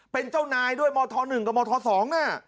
เป็นเจ้านายด้วยมธ๑กับมธ๒น่ะ